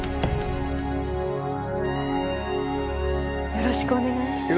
よろしくお願いします。